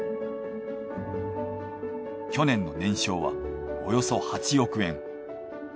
去年の年商はおよそ８億円。